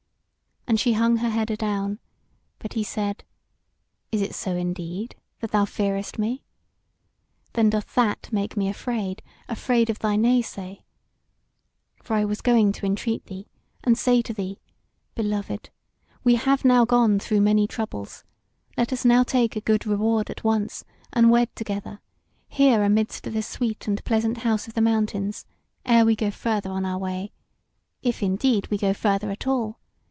And she hung her head adown; but he said: "Is it so indeed, that thou fearest me? Then doth that make me afraid afraid of thy nay say. For I was going to entreat thee, and say to thee: Beloved, we have now gone through many troubles; let us now take a good reward at once, and wed together, here amidst this sweet and pleasant house of the mountains, ere we go further on our way; if indeed we go further at all.